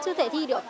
chưa thể thi được